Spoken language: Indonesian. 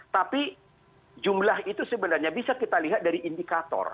tapi jumlah itu sebenarnya bisa kita lihat dari indikator